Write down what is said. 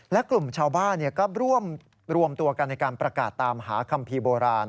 และกลุ่มชาวบ้านก็รวมตัวกันในการประกาศตามหาคัมภีร์โบราณ